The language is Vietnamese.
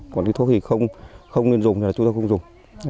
còn cái thuốc thì không nên dùng thì chúng tôi không dùng